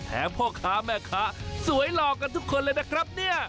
แถมพ่อค้าแม่ค้าสวยหลอกกันทุกคนเลยนะครับ